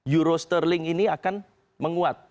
euro sterling ini akan menguat